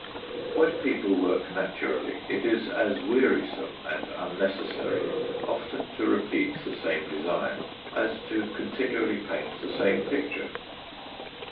When people work naturally, it is as wearisome and unnecessary often to repeat the same design as to continually paint the same picture.